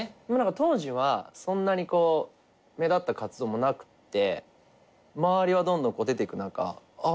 当時はそんなにこう目立った活動もなくって周りはどんどん出てく中あっ